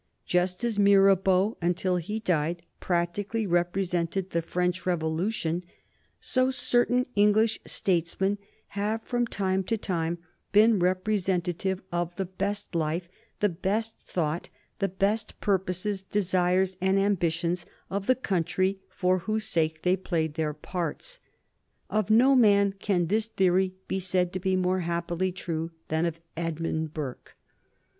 Just as Mirabeau, until he died, practically represented the French Revolution, so certain English statesmen have from time to time been representative of the best life, the best thought, the best purposes, desires, and ambitions of the country for whose sake they played their parts. Of no man can this theory be said to be more happily true than of Edmund Burke.